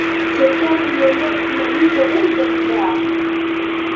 Serikali iliondoa usimamizi wa bei za bidhaa